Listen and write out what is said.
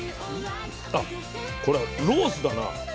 あこれはロースだな。